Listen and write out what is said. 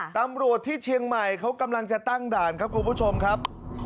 ตำรวจที่เชียงใหม่เขากำลังจะตั้งด่านครับคุณผู้ชมครับ